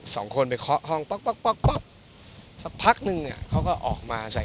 สองคนไปเคาะห้องป๊อกป๊อกป๊อกป๊อกสักพักนึงเนี่ยเขาก็ออกมาใส่